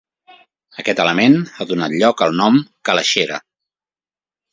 Aquest element ha donat lloc al nom calaixera.